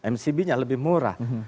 mcb nya lebih murah